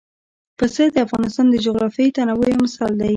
پسه د افغانستان د جغرافیوي تنوع یو مثال دی.